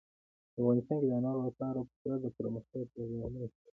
افغانستان کې د انارو لپاره پوره دپرمختیا پروګرامونه شته دي.